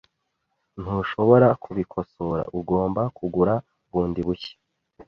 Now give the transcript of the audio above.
Ntushobora kubikosora. Ugomba kugura bundi bushya.